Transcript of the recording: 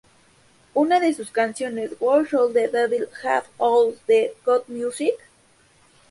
Una de sus canciones, "Why Should the Devil Have All The Good Music?